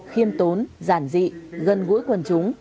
khiêm tốn giản dị gân gũi quần chúng